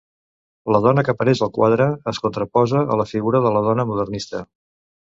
La dona que apareix al quadre es contraposa a la figura de la dona modernista.